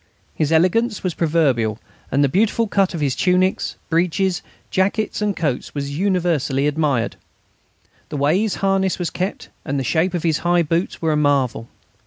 His elegance was proverbial, and the beautiful cut of his tunics, breeches, jackets, and coats was universally admired. The way his harness was kept and the shape of his high boots were a marvel.